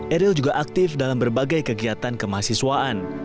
eril juga aktif dalam berbagai kegiatan kemahasiswaan